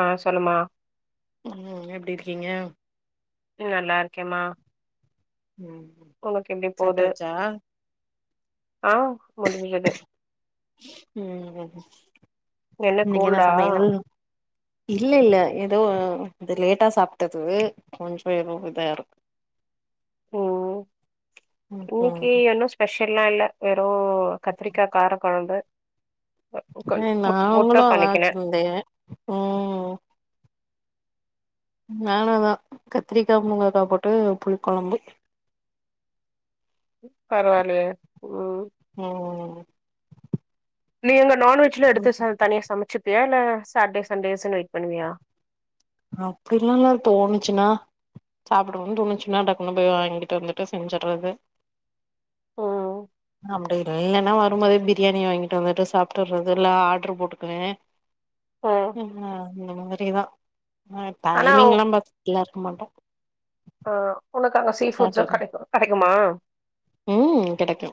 ஆஹ் சொல்லுமா உம் எப்படி இருக்கீங்க நல்லா இருக்கேம்மா உம் உனக்கு எப்டி சாப்டாச்சா ஆஹ் முடிஞ்ச்சது [unintelligible] என்ன இன்னைக்கு கோல்டா சமையல் இல்ல இல்ல ஏதோ வந்து லேட்டா சாப்பிட்டது கொஞ்சோ எதுவும் இதா இருக்கு உம் ம் இன்னைக்கு என்ன ஸ்பெஷ பெஷல்லா இல்ல வெறும் கத்திரிக்கா கார குழம்பு ஏ நாங்களு [unintelligible] உம் நானும்தா கத்திரிக்கா முங்கக்கா போட்டு புளி குழம்பு பரவாயில்லையே உம்ம்ம் நீங்க நான்வெஜ்ல எடுத்து ச தனியா சமைச்சு ப்பியா இல்ல சாட்டே சண்டேஸ்னு வெயிட் பண்ணுவியா அப்படிலா இல்ல தோணுச்சுன்னா சாப்பிடன்னனு தோணுச்சுன்னா டக்குனு போய் வாங்கிட்டு வந்துட்டு செஞ்சடுறது ம் அப்படி இ இல்லைன்னா வரும்போதே பிரியாணி வாங்கிட்டு வந்துட்டு சாப்பிட்டுறது இல்ல ஆர்டரு போட்டுக்குவேன் ம் ஹம் ஹ இந்த மாறிதான் ஆஹ் ஆனா டைமிங் எல்லா பாத்ததுல மாட்டே ஆஹ் உனக்கு அங்க சீஃபுட்ஸும் கிடைக்கும் கிடைக்குமா ம் கெடைக்கு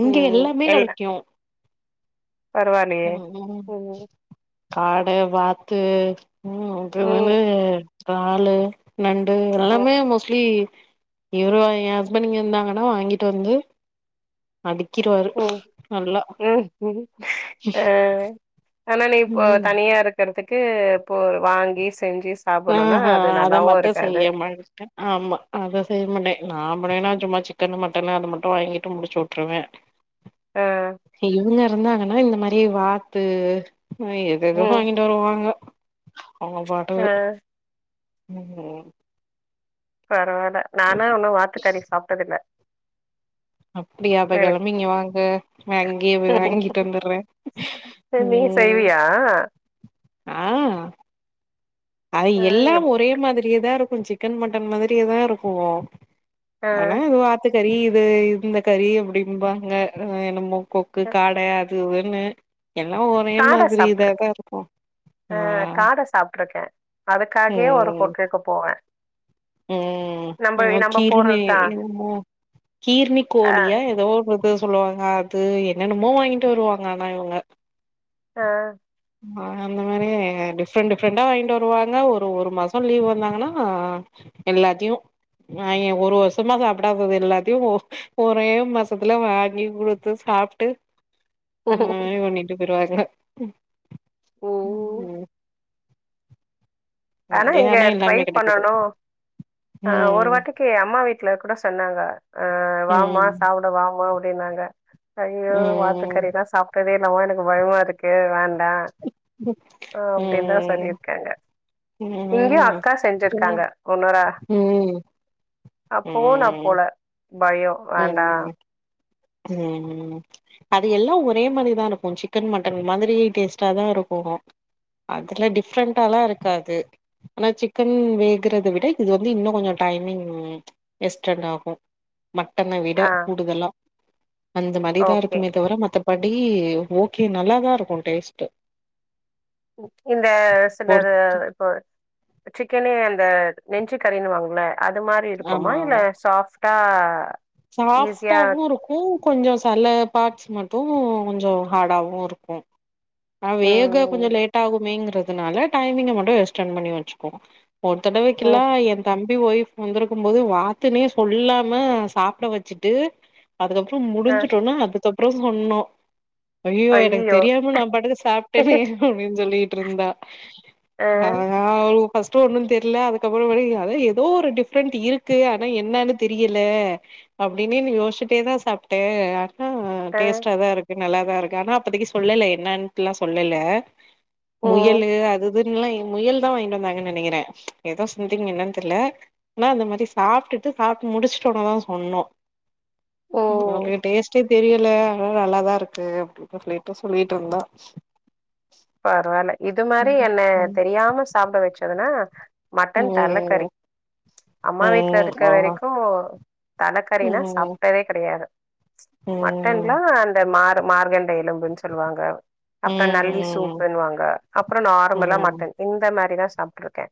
இங்க உம் எல்லாமே எல்ல கெடைக்கு பரவில்லையே ம் ம் உம் உம் காட வாத்து உம் அப்பறோ வந்து ம் காலு நண்டு எல்லாமே ம் மோஸ்ட்லி இவருவ என் ஹஸ்பண்ட் இங்க இருந்தாங்கடா வாங்கிட்டு வந்து அடுக்கிருவாரு உம் நல்லா உம் உம் ஆஹ் ஆனா நீ இப்போ ம் தனியா இருக்கிறதுக்கு க்கு போ வாங்கி செஞ்சு சாப்புட்ணுன்னா இஹ் ஹா அது அத நல்லாவு மட்டும் இருக்காது செய்ய மாட்டேன் ஆமா அத செய்யமட்டேன் நா அப்பற ஏனாச்சும்மா சிக்கன்னு மட்டனு அத மட்டும் வாங்கிட்டு முடிச்சுவுட்டுருவேன். அஹ் இருந்தாங்கன்னா இந்தமாறி வாத்து ஆ எதுஎதோ ம் வாங்கிட்டு வருவாங்க அவங்க பாட்க்கு ஆ உம் ஹூம் பரவால் ல நானா உன்னு வாத்துக்கறி சாப்ட்டதில்ல அப்படியா அப்ப எனக்கு கெளம்பி இங்க வாங்க, நா இங்கியே போய் ம். வாங்கிட்டு வந்துட்றேன் நீ உம் செய்வியா ஆஹ் அது ஆ எல்லாம் எப் ஒரே மாதிரியேதா இருக் கொஞ் சிக்கன் மட்டன் மாதிரியேதா இருக்கு ஆ ஆனா அது வாத்து கறி இது இந்த கறி அப்பிடிம்பாங்க அஹ் என்னமோ கொக்கு காட அத் து வெண்ணு எல்லா ஒரே காட மாதிரி சாப்ட்ருக்கே இதாதா இருக்கு ஆஹ் கே அதுக்காகயே ஒரு ஹோட்லுக்கு போவேன் ம் எதோ கீர்ணி போறதுதா என்னமோ கீர்ணி ஆ கோழியா எதோ ஒருக் கோ சொல்லுவாங்க அது என்னென்னமோ வாங்கிட்டு வருவாங்க ஆனா இவங்க ஆ அ அந்தமாரி டிஃப்ரெண்ட் டிஃப்ரெண்டா வாங்கிட்டு வருவாங்க, ஒரு ஒரு மாசம் லீவ் வந்தாங்கன்னா எல்லாத்தையும் ஆ எ ஒரு வருஷமா சாப்பிடாதது எல்லாத்தையு ஒ ஒரே மாசத்துல வாங்கி குடுத்து சாப்ட்டு ஆஹ் இது பண்ணிட்டு போய்ருவா மேடொ ம் ம் ஆனா இங்க ட்ரை பண்ணணு அ ஒரு ம் வாட்டிக்கு அம்மா வீட்டுல கூட சொன்னாங்க ஆஹ் வாமா ம் சாப்ட வாமா அப்டி அப்டின்னாங்க ஐயோ ம் வாத்துக்கறிதா சாப்டதேல் என்னமோ எனக்கு பயமா இருக்கு வேண் டா ம் அப்டின்தா ம் சொல்லியிருக்காங்க ம் இங்கெயு அக்கா செஞ்சிருக்காங்க ம் ஒன்னுரா அப்போவு நா ம் போல பயொ வேண்டா ம் ம் அது எல்லா ஒரே மாரிதாருக்கு சிக்கன் மட்டன் மாதிரி டேஸ்டாதா இருக்கு அதுல டிஃப்ரெண்ட்டாலா இருக்காது ஆனா சிக்கன் வேகுறத விட இது வந்து இன்னு கொஞ்சொ டைமிங் எஸ்டண்ட் ஆகு மட்டன விட ஆ கூடுதலா அந்த மாரிதா இருக் ஓகே குமே தவர மத்தப்ப அப்டி ஓகே நல்லாதா இருக்கும் டேஸ்ட்டு இந்த ஒரு சிலது இப்போ சிக்கனே அந்த நெஞ்சு கறின்னுவாங்கல்ல அது மாரி இருக்குமா ஆமா இல்ல சாஃப் தா சாஃப்டாவு இருக்கும் கொஞ்சோ செல பார்ட்ஸ் மட்டு கு கொஞ்சோ ஹார்டாவு இருக்கும் ஆ வேக ம் கொஞ்சம் லேட்டாகுமேங் ன்றதுனால டைமிங்க மட்டு எஸ்ட்டண்ட் பண்ணி வச்சுக்குவோ ஒரு ம் தடவைக்குலா என் தம் பி ஒய்ஃப் வந்திருக்கும் போது வாத்துனே சொல்லாம சாப் ட வச்சுட்டு அதுக்கப்புறம் ஆ முடிஞ்சுட்டோன அது க்கப்புறோ சொன்னோ அய்யோ எனக்கு ஐயோ தெரியாம நா பாட்டுக்கு சாப்ட்டனே அப்படின்னு சொல்லி ட்ருந்தா ஆ ஆனாவ் ஃபர்ஸ்ட் ஒன்னும் தெர்ல அதுக்கப்புறமேட்டு அத ஏதோ ஒரு டிஃப்ரெண்ட் இருக்கு ஆனா என்னான்னு தெரியல அப்படின்னு யோசிசிட்டே தா சாப்ட்டே ஆ ஆ டேஸ்ட்டா தா இருக்கு நல்லாதா இருக்கு ஆனா அப்பதிக்கு சொல்லல என்னான்ட்டுலா சொல்லல ம் முயலு அதுஅதுனுலா முயல் தா வாங்கிட்டு வந்தாங்கன்னு நெனக்கிறே ஏதோ சம்த்திங் என்னான் தெர்ல ஆனா அந்த மாரி சாப்ட்டுட்டு சாப்ட்டு முடிச்சுட்டு ஒடனதா சொன்னோ ம் அது டேஸ்ட்டே தெரியல ஆனா நல்லாதா இருக்கு அப்டின்னு சொல்லிட்டு சொல்லிட்ருந்தா பரவால்ல இது மாரி என்ன தெரியாம சாப்ட வச்சதுன்னா மட்டன் ம் தலக்கறி அம்மா வீட்ல ம் இருக்க ஆ வரைக்கு ம் தலக்கறினா ம் சாப்ட்டதே கெடையாது ம் மட்டன்லாம் அந்த மாறு மார்கன் எலும்புனு சொல்லுவாங்க அப்புறம் நல்லி ம் சூப் வாங்க அப்புறம் நார்மலா ம் மட்டன் இந்த மேரி தா சாப்ட்ருக்கே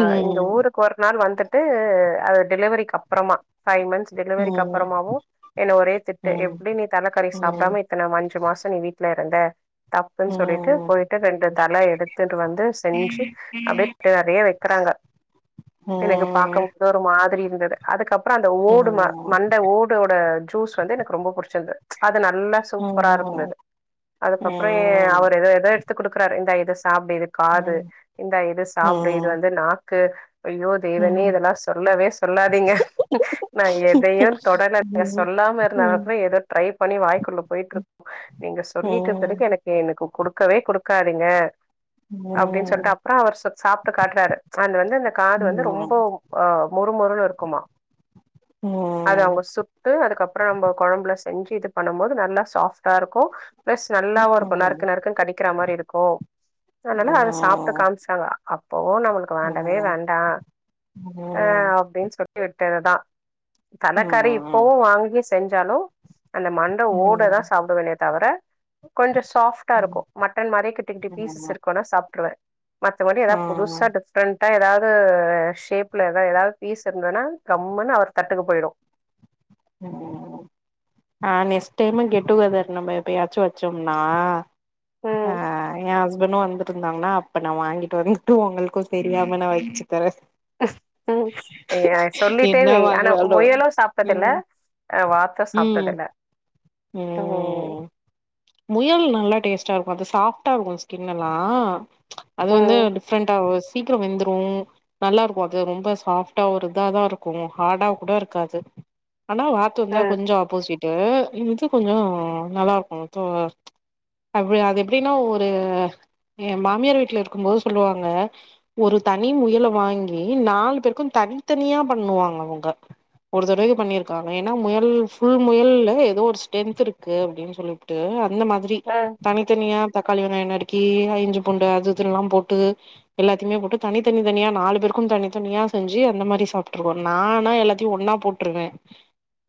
ம் இங்க ம் ஊருக்கு ஒரு நாள் வந்துட்டு ட்டு அது டெலிவரிக்கு அப்புறமா பைவ் மந்த்ஸ் டெலிவரிக்கு ம் அப்றமாவு என்ன ஒரே ம் திட்டு ம் ம் ம் ம் ம் ம் ம் ம் ம் எப்படி நீ தலக்கறி ம் சாப்பிடாம இத்தனை அஞ்சு மாசம் நீ வீட்டுல அந்த த ந்துனு சொல்லிட்டு போய்ட்டு ரெண்டு தல எடுத்துட்டு வந்து செஞ்சு அப்படிய நிறைய வைக்கிறாங்க எனக்கு பாக்கபோது ஒரு மாதிரி இருந்தது அதுக்கப்புறம் அப்புறம் அந்த ஓடு மண்டை ஓடோட ஜூஸ் வந்து எனக்கு ரொம்ப படிச்சிது நல்லா சூப்பரா இருந்தது அதுக்கப்புறம் ஏ அவர் எத ஏத த்து குடுக்குறாரு இந்தா இதஸ் சாப்டு இது காது இந்த இது சாப்டு இது வந்து நாக் க்கு அய்யோ தேவனே இதெல்லாம் சொல்லவே சொல்லாதீங்க நான் எதையும் தொடல நீங்க சொல்லாம இருந்தாக்கு ஏதோ ட்ரை பண்ணி வாய்குள்ள போயிட்டு இருக்கோம் நீங்க சொல்லிட்ட பிறகு எனக்கு எனக்கு குடுக்கவே குடுக்காதிங்க அப்டின் சொல்லிட்டு அப்றோ அவர் ச சாப்ட்டு காட்றாரு ஆண்ட் வந்து அந்த காது வந்து ரொம்ப ம் அ மொறுமொறுன்னு இருக்குமா அது அவங்க சுட்டு அதுக்கப்ற நம்ப கொழம்ல செஞ்சு இது பண்ணும் போது நல்லா சாஃப்ட்டா இருக்கு பிளஸ் நல்லாவும் இருக்கும் கொ நர்க்கு ம் நர்க்குன் கடிக்கிற மாதிரி இருக்கும் அதனால ம் அதை சாப்பிட்டு ம் காமிச்சாங்க ஆ ஓஹ் நம்மளுக்கு ஆ வேண்டவே வேண்டாம் அஹ் அப்படின் சொல்லி எடுத் டினதான் தலைக்கறி இப்பவும் வாங்கி செஞ்சாலும் அந்த மண்டை ஓட தான் சாப்பிடுவேனே தவிர கொஞ்ச சாப்டா இருக்கு மட்டன் மாதிரே கிட்ட கிட்டி பீசஸ் இருக்கு நான் சாப்பிடு வேன் சாப்பிடுவேன் மத்தபடி எதா புதுசா டிஃப்ரெண்ட் டா ஏதாவுது ஷேப்ல எதா எதா பீஸ் இருந்தன்னா கம்முன்னு அவர் தட்டுக்கு போய்டு ஆ நெக்ஸ்ட் டைம் கெட்டுகெதர் நம்ம எப்பயாச்சு வச்சோம்னா ம் ஆ எ ஹஸ்பெண்டு வந்து து இருந்தாங்ன்னா அப்ப நா வாங்கிட்டு வந்துட்டு உங்களுக்கு தெரியாம நா வச்சு தரே ம் சொல்லிட்டே என்ன வை ஆனா வாங்கனாலு முயலு சாப்ட்டதுல ம் அ வாத்த ம் சாப்ட்டது இல்ல தோ ம் முயல் நல்லா டேஸ்டா இருக்கோ அது சாஃப்டா இருக்கு ஸ்கினுலா அது வந்து ம் டிஃப்ரெண்ட்ட ரோஸ்ட் சீக்கிரோ வெந்துரோ நல்லா இருக்கோ அது ரொம்ப சாஃப்ட்டா ஒரு இதாதா இருக்கோ ஹார்டா கூட இருக்காது ஆனா வாத்து இருந்த ம் கொஞ்சோ ஆப்போசிட் ட்டு இந்து கொஞ்சோ நல்லாருக்கோ து அது எப்டின்னா ஒரு எ மாமியார் வீட்ல இருக்கும் போது சொல்லுவாங்க ஒரு தனி முயல வாங்கி நாலு பேருக்கு தனித்தனியா பண்ணுவாங்க அவுங்க ஒரு தடவ பண்ணிருக்காங்க ஏன்னா முயல் ஃபுல் முயல்ல ஏதோ ஒரு ஸ்ட்ரென்த் இருக்கு அப்படினு சொல்லி ட்டு அந்த மாதிரி ம் தனித்தனியா தக்காளி வெங்காயோ நறுக்கி இஞ்சி பூண்டு அது இதுலா போட்டு எல்லாத்தையுமே போட்டு தனி தனி தனியா நாலு பேருக்கும் தனி தனியா செஞ்சு அந்த மாதிரி சாப்ட்றுவோ நாலா எல்லாத்தையு ஒண்ணா போட்றுவ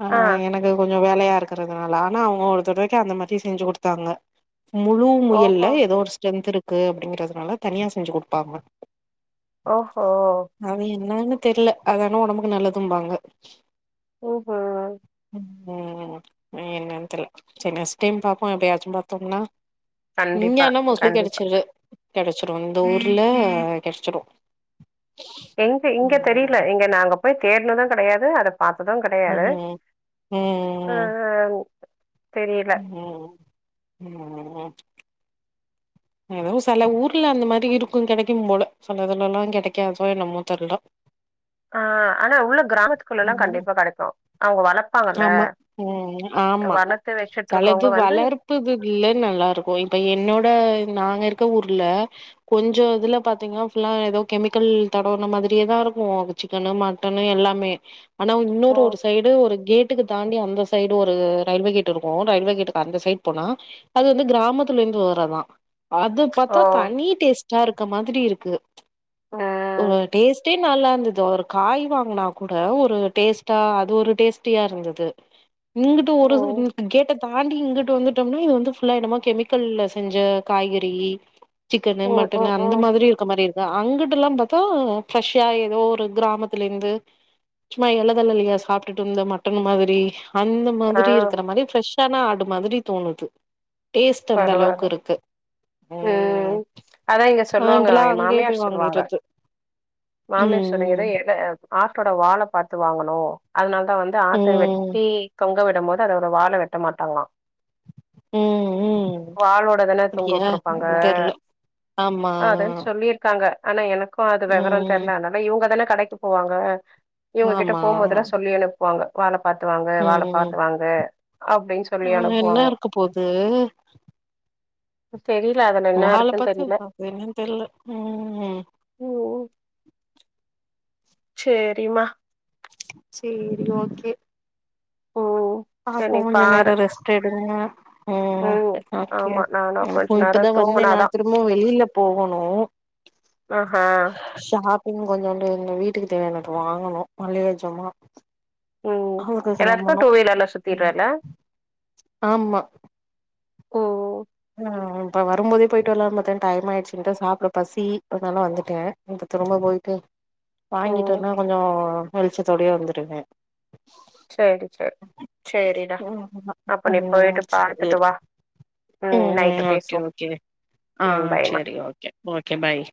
ஆ எனக்கு கொஞ் கொஞ்சோ வேலையா இருக்கிறதுனால ஆனா அவுங்க ஒரு தடவைக்கோ அந்த மாரி தி செஞ்சு குடுத்தாங்க முழு ஓஹோ முயல்ல ஏதோ ஒரு ஸ்ட்ரென்த் இருக்கு அப்டிங்கறதுனால தனியா செஞ்சு குடுப்பாங்க ஓஹோ தெரில அதானா ஒடம்புக்கு நல்லதும்பாங்க ம் ஹு ம் ஏ என்னனு தெர்ல சின்ன தேம் பாப்போ எப்பையாச்சு பார்த்தோம்னா இங்க கண்டிப்பா ஆனா மோஸ்ட்லி கண்டிப்பா கெடச்சுறுது கெடச்சுரோ இந்த ஊர்ல அ கெடச்சுரோ எங்க இங்க தெரில இங்க நாங்க போய் தேடனது கெடையாது அத பார்த்ததோ கெடையாது ம் அ ம் ம் இன்னு சில ஊர்ல அந்த மாரி இருக்கு கிடைக்கும் போல சிலதுலல்லா கிடைக்கதோ என்னமோ தெர்ல ஆ ஆனா உள்ள கிராமத்துக்குள்ளலா ம் கண்டிப்பா கடைக்கோ அவுங்க வளப்பாங்கல்ல ஆமா ம் ஆமா வளத்து வெச்சுட்டு சிலது ருக்கவங்க வந்து வளர்ப்புது இல்ல நல்லா இருக்கு இப்ப என்னோட நாங்க இருக்க ஊர்ல கொஞ்ச இதுல பாத்தீங்கன்னா ஃபுல்லா ஏதோ கெமிக்கல் தடவன மாதிரியேதா இருக்கும் சிக்கனு மட்டனு எல்லாமே ஆனா ஓ இன்னொரு ஒரு சைடு ஒரு கேட்டுக்கு தாண்டி அந் அந்த சைடு ஒரு ரயில்வே கேட்டு இருக்கோ ரயில்வே கேட்டுக்கு அந்த சைடு போனா அது வந்து கிராமத்துல இருந்து வர்றதா அது பாத்தா ஓ தனி டேஸ்ட் [unintelligible] இருக்க மாதிரி இருக்கு ஒரு ம் டேஸ்ட்டே நல்லா இருந்துது ஒரு காய் வாங்கனா கூட ஒரு டேஸ்ட்டா அது ஒரு டேஸ்ட்டியா ருந்தது இங்குட்டு ஒரு ம் கேட்ட தாண்டி இங்குட்டு வந்துட்டோம்னா இது வந்து ஃபுல்லா என்னமோ கெமிக்கல்ல செஞ்ச காய்கறி சிக்கனு ம் மட்டனு ம் அந்த ம் மாதிரி இருக்க மாரி இருக் அங்குட்டுலா பாத்தா ஃப்ரெஷ்ஷா ஏதோ ஒரு கிராமத்துலைந்து சும்மா எலதலலையா சாப்டுட்டு இந்த மட்டன் மாதிரி அந்த ஆ மாதிரி இருக்குற மாரி ஃப்ரெஷ் தனா ஆடு மாதிரி தோணுது டேஸ்ட் அந்தளவுக்கிருக்கு ம அதா இங்க ஆனா சொல்லுவாங்க இப்பல்லா என் அங்கயே மாமியார் போய் சொல்லுவாங்க வாங்கிறது மாமியார் சொல்லுங்கத ம் எத ஆட்டோட வாலப்பாத்து வா வாங்கணூ அதனா த வந்து ஆட்ட ம் வெட்டி கங் டவிடம் போது அதோட வால வெட்ட மாட்டாங்ளா ம் ம் வாலோடதன அப்டியா தொங்கவுட்டுருப்பாங்க அது தெர்ல ஆமா அதன் சொல்லிர்க்காங்க ஆனா எனக் கு அது வெவரொ ம் தெர்ல அனால இவுங்கதான கடைக்கு போவாங்க இவுங்ககிட்ட ஆமா போம்போதுல்லா சொல்லியனுப் வாங்க வாழப் பாத்து வாங்கு வால பாத்து வாங்கு அங்கென்ன இருக்க போது தெரியல அதுல என்ன வால இருக்குன்னு பாத்து தெரியல. அவ் என்னன் தெர்ல ஊம் செரிமா சேரி ஓகே ம். சரி பாப்போ நீ கொஞ்ஜொ பாரு. நேரோ ரெஸ்ட் எடுங்க உம் ம் ஓகே ஆமா நானு கொஞ்ச எனக்கும் நேரோ இப்பதா வந்தே நா தூங்குனாதா திரும்பவு வெளில போகணு ஆஹா ஷாப் இன்னு கொஞ்சோண்டு இங்க வீட்டுக்கு தேவையானது வாங்கணு மளிக ஜாமா உம் அதுக்கு எல்லாத்துக்கு கெளம்பணு டூ வீலர்ல சுத்தீர்றல ஓ ஞா இப்ப வரும்போதே பொயிட்டு வர்லான் பாத்தே டைம் ஆயிடுச்சுன்ட்டு சாப்ட பசி அதுனால வந்துட்டே இப்ப திரும்ப போய்ட்டு வாங்கிட்டு ம் வனா கொஞ்சோ வெளிச்சத்தோடயே வந்துருவே சேரி செர் சேரிடா ம் அப்ப ஆமா நீ பொயிட்டு பாத்துட்டு வா ம் ம்ம் நைட்டு ஓகே பேசுவோ ஓகே ஆ ம் பாய்மா செரி ஓகே ஓகே பாய்